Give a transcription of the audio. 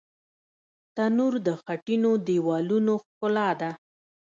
تنور د خټینو دیوالونو ښکلا ده